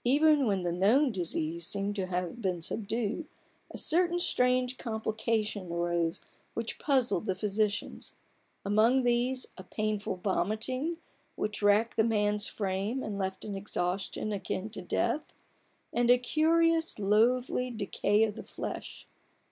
Even when the known disease seemed to have been subdued; certain strange complications arose which puzzled the physicians : amongst these a painful vomiting which racked the man's frame and left an exhaustion akin to death, and a curious loathlv decay of the flesh.